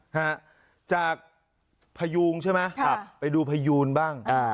ฮะจากพยูงใช่ไหมครับไปดูพยูนบ้างอ่า